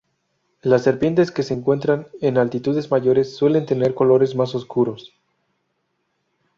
Las serpientes que se encuentran en altitudes mayores suelen tener colores más oscuros.